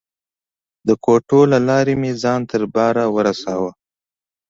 د کوټو له لارې مې ځان تر باره ورساوه.